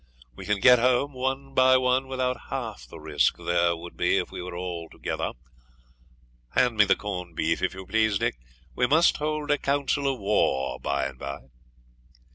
We can get home one by one without half the risk there would be if we were all together. Hand me the corned beef, if you please, Dick. We must hold a council of war by and by.'